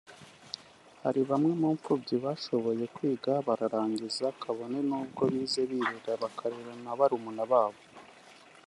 hari bamwe mu mfubyi bashoboye kwiga bararangiza kabone n’ubwo bize birera bakarera na barumuna babo